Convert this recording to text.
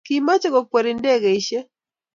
Kimache kokweri ndegeishek